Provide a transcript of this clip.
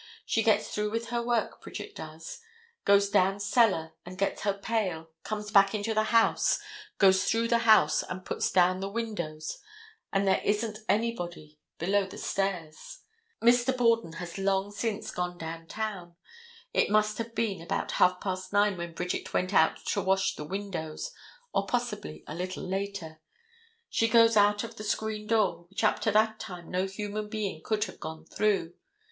She gets through with her work, Bridget does, goes down cellar and gets her pail, comes back into the house, goes through the house and puts down the windows and there isn't anybody below the stairs. Mr. Borden has long since gone down town. It must have been about half past nine when Bridget went out to wash the windows, or possibly a little later. She goes out of the screen door, which up to that time no human being could have gone through.